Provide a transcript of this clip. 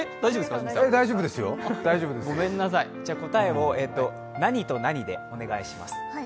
答えを何と何でお願いします。